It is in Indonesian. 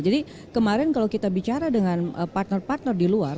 jadi kemarin kalau kita bicara dengan partner partner di luar